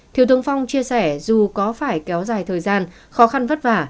thiếu tướng phong chia sẻ dù có phải kéo dài thời gian khó khăn vất vả